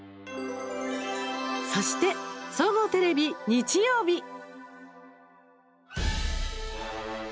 そして総合テレビ、日曜日。